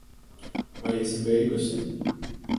Vai esi beigusi?